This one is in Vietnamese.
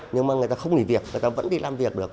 nhưng mà người ta không nghỉ việc người ta vẫn đi làm việc được